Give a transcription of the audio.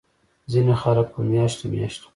ځينې خلک پۀ مياشتو مياشتو